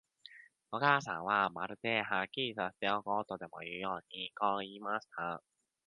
お母さんは、まるで、はっきりさせておこうとでもいうように、こう言いました。